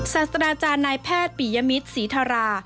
สัสดาอาจารย์นายแพทย์ปียมิตรศรีธารา